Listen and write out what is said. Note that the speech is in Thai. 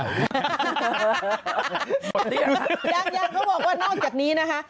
ยังเขาบอกว่านอกจากนี้นะคะ